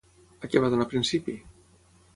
A què va donar principi?